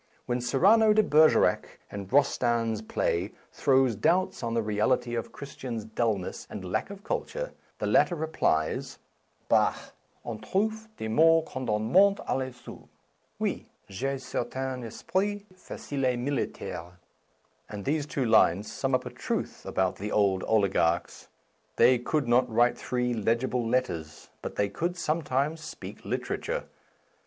When Cyrano de Bergerac, in Rostand's play, throws doubts on the reality of Chris tian's dullness and lack of culture, the lat ter replies :" Bah ! on trouve des mots quand on monte k Tassaut ; Oui, j'ai un certain esprit facile et militaire ; and these two lines sum up a truth about the old oligarchs. They could not write three legible letters, but they could some times speak literature.